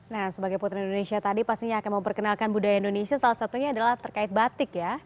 nah sebagai putra indonesia tadi pastinya akan memperkenalkan budaya indonesia salah satunya adalah terkait batik ya